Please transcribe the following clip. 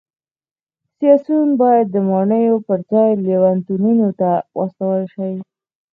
سیاسیون باید د ماڼیو پرځای لېونتونونو ته واستول شي